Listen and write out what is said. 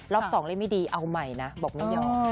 สองเล่นไม่ดีเอาใหม่นะบอกไม่ยอม